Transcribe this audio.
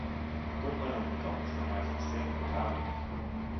Ik kon dan ook niet anders dan mij van stemming onthouden.